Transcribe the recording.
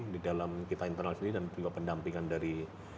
di dalam kita internal sendiri dan juga pendampingan dari